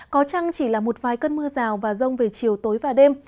có chăng chỉ là một vài cơn mưa rào và rông về chiều tối và đêm